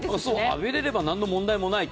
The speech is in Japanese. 浴びれれば何の問題もない。